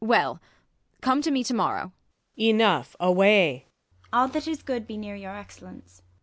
Ang. Well, come to me to morrow ! Luc. Enough, away ! IsAB. All that is good be near your Excellence.